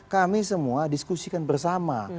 kami semua diskusikan bersama